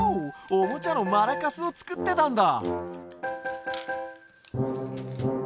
おもちゃのマラカスをつくってたんだ？